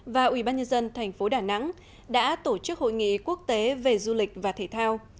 và ubnd tp đà nẵng đã tổ chức hội nghị quốc tế về du lịch và thể thao